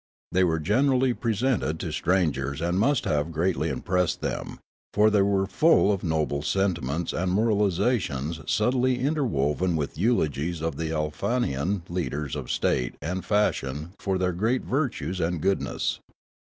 They were gen erall)^ presented to strangers and must have greatly impressed them, for they were full of noble sentiments and moralisations subtly interwoven with eulogies of the Aleofanian leaders of state and fashion for their great virtues and goodness.